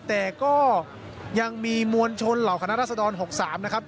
แต่ก็ยังมีมวลชนเหล่าคณะรัศดร๖๓นะครับ